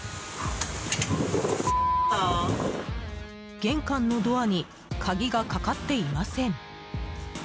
玄関のドアに鍵がかかっていません。